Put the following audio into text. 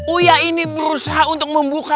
uya ini berusaha untuk membuka